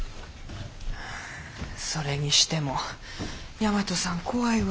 それにしても大和さん怖いわ。